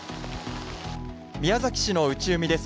宮崎市の内海です。